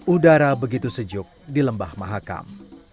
udara begitu sejuk di lembah mahakam